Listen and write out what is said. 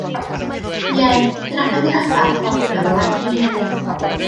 Ie, dyna'r peth agosa' at forthwyl welais i hefyd.